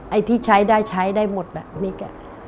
ไอ้ที่ใช้ได้ใช้ได้หมดน่ะนิก